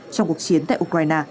trong cuộc chiến đấu